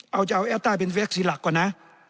เอาจะเอาแอลต้าเป็นเว็กซีหลักก่อนนะ